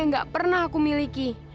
yang gak pernah aku miliki